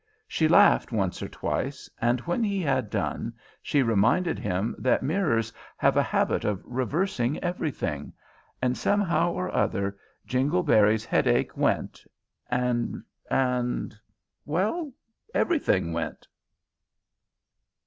She laughed once or twice, and when he had done she reminded him that mirrors have a habit of reversing everything; and somehow or other Jingleberry's headache went, and and well, everything went!